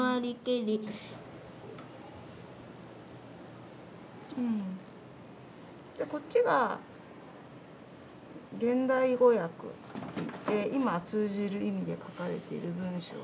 でこっちが現代語訳で今通じる意味で書かれている文章。